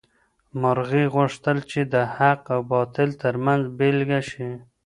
مرغۍ غوښتل چې د حق او باطل تر منځ بېلګه شي.